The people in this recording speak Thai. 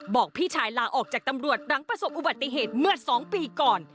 บอกพี่ชายลาออกจากตำรวจหลังประสบอุบัติเหตุเมื่อ๒ปีก่อน